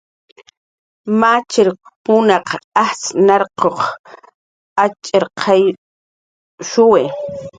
Machirkunaq ajtz' narq atx'irqayshuwi.